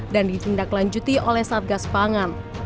dan ditindaklanjuti oleh satgas pangan